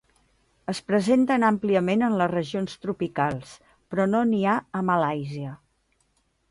Es presenten àmpliament en les regions tropicals, però no n'hi ha a Malàisia.